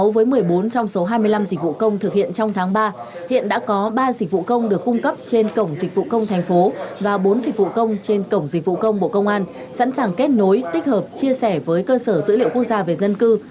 với một mươi bốn trong số hai mươi năm dịch vụ công thực hiện trong tháng ba hiện đã có ba dịch vụ công được cung cấp trên cổng dịch vụ công thành phố và bốn dịch vụ công trên cổng dịch vụ công bộ công an sẵn sàng kết nối tích hợp chia sẻ với cơ sở dữ liệu quốc gia về dân cư